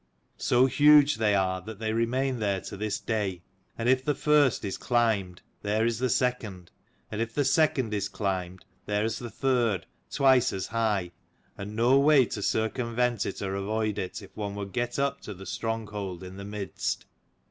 So huge they are that they remain there to this day. And if the first is climbed there is the second; and if the second is climbed there is the third, twice as high; and no way to circumvent it or avoid it if one would get up to the stronghold in the midst.